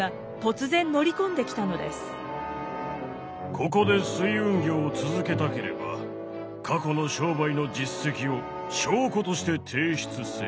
ここで水運業を続けたければ過去の商売の実績を証拠として提出せよ。